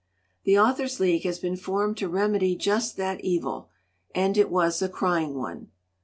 "The Authors' League has been formed to remedy just that evil and it was a crying one.